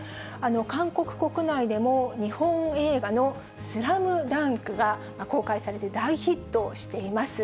韓国国内でも、日本映画のスラムダンクが公開されて大ヒットしています。